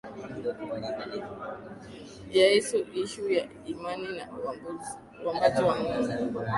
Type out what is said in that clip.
ya isu issue ya imani na uumbaji wa mungu